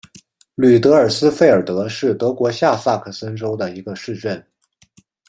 吕德尔斯费尔德是德国下萨克森州的一个市镇。